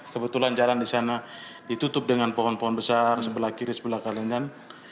kebetulan jalan di sana ditutup dengan pohon pohon besar sebelah kiri sebelah kanan